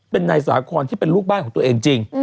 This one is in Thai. เป็นนายสาคอนที่เป็นลูกบ้านของตัวเองจริง